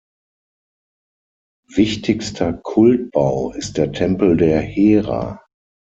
Wichtigster Kultbau ist der Tempel der Hera.